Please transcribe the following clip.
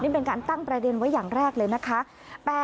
นี่เป็นการตั้งประเด็นไว้อย่างแรกเลยนะคะ